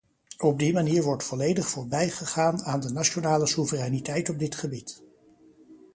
Op die manier wordt volledig voorbij gegaan aan de nationale soevereiniteit op dit gebied.